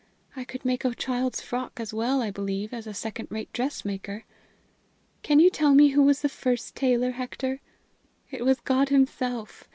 I could make a child's frock as well, I believe, as a second rate dressmaker. Can you tell me who was the first tailor, Hector? It was God himself.